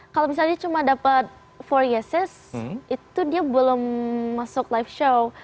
kalau misalnya dia cuma dapat empat yesis itu dia belum masuk live show